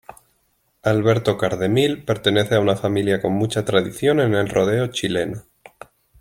Alberto Cardemil pertenece a una familia con mucha tradición en el rodeo chileno.